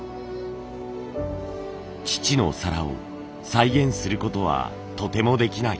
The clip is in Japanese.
父の皿を再現することはとてもできない。